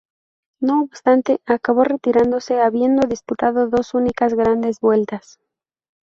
No obstante acabó retirándose habiendo disputado dos únicas grandes vueltas.